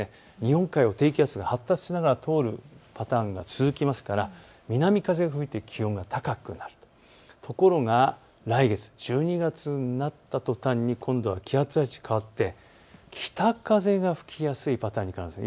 日本海を低気圧が発達しながら通るパターンが多いですから南風のせいで気温が高くなるところが来月１２月になったとたんに、今度は気圧配置がかわって北風が吹きやすいパターンになる。